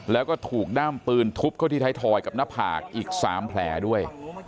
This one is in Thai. แล้วก็ถูกด้ามปืนทุบเข้าที่ไทยทอยกับหน้าผากอีก๓แผลด้วย